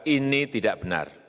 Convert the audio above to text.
ini tidak benar